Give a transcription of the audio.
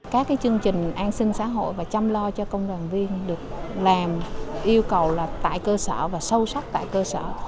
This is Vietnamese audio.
các chương trình an sinh xã hội và chăm lo cho công đoàn viên được làm yêu cầu là tại cơ sở và sâu sắc tại cơ sở